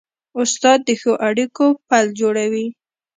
استاد د ښو اړیکو پل جوړوي.